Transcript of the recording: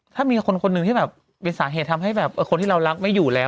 ถ้ามีคนคนหนึ่งที่แบบเป็นสาเหตุทำให้แบบคนที่เรารักไม่อยู่แล้ว